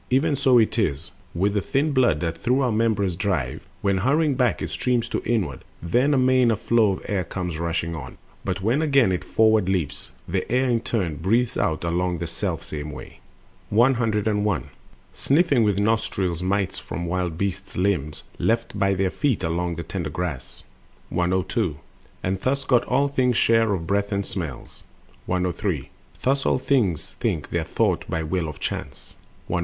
Even so it is With the thin blood that through our members drives: When hurrying back it streams to inward, then Amain a flow of air comes rushing on; But when again it forward leaps, the air In turn breathes out along the selfsame way. Scent. 101. Sniffing with nostrils mites from wild beasts' limbs, Left by their feet along the tender grass. .. 102. And thus got all things share of breath and smells. On the Psychic Life. 103. Thus all things think their though[t] by will of Chance. 104.